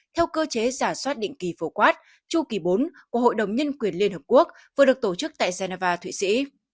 theo cơ chế giả soát định kỳ phổ quát chu kỳ bốn của hội đồng nhân quyền liên hợp quốc vừa được tổ chức tại geneva thụy sĩ